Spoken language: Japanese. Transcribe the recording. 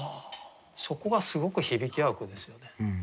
そこがすごく響き合う句ですよね。